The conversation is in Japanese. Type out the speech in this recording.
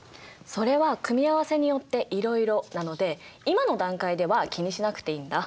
それは組み合わせによっていろいろなので今の段階では気にしなくていいんだ。